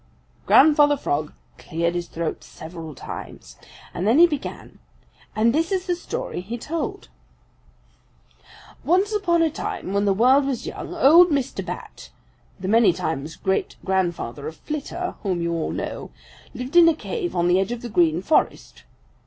Grandfather Frog cleared his throat several times, and then he began, and this is the story he told: "Once upon a time when the world was young, old Mr. Bat, the many times great grandfather of Flitter, whom you all know, lived in a cave on the edge of the Green Forest.